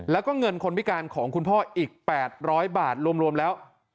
แล้วก็เงินคนพิการของคุณพ่ออีก๘๐๐บาทรวมแล้ว